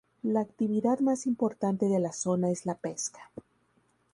La actividad más importante de la zona es la pesca.